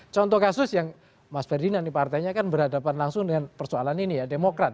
contoh kasus yang mas ferdinand partainya kan berhadapan langsung dengan persoalan ini ya demokrat